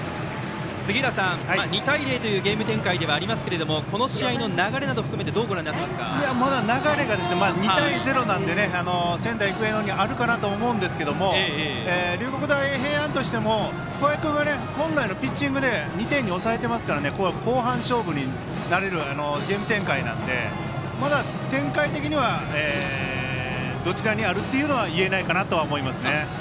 杉浦さん、２対０というゲーム展開ではありますがこの試合の流れなどを含めてどうご覧になっていますか。まだ流れが２対０なので仙台育英の方にあるのかなと思うんですけれども龍谷大平安としても桑江君が本来のピッチングで２点に抑えていますから後半勝負になるゲーム展開なのでまだ展開的にはどちらにあるというのは言えないかなと思います。